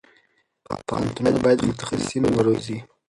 پوهنتونونه باید متخصصین وروزي.